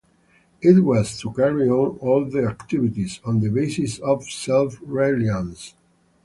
It was to carry on all the activities on the basis of self-reliance.